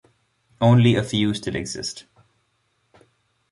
Only a few still exist.